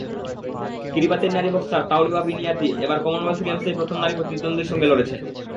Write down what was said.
কিরিবাতির নারী boxer Tauriba Biniati এবার Commonwealth গেমসেই প্রথম নারী প্রতিদ্বন্দ্বীর সঙ্গে লড়েছেন।